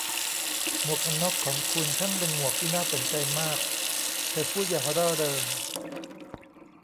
หมวกกันน็อคของคุณช่างเป็นหมวกที่น่าสนใจมาก' เธอพูดอย่างร่าเริง